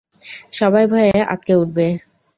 সবাই ভয়ে আঁতকে উঠবে।